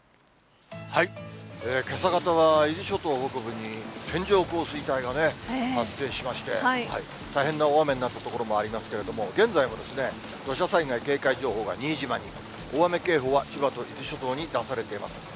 けさ方は伊豆諸島北部に線状降水帯がね、発生しまして、大変な大雨になった所もありますけれども、現在も土砂災害警戒情報が新島に、大雨警報は千葉と伊豆諸島に出されてます。